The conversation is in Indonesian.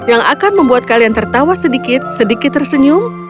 yang akan membuat kalian tertawa sedikit sedikit tersenyum